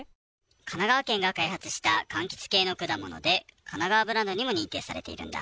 神奈川県が開発したかんきつ系の果物で、かながわブランドにも認定されているんだ。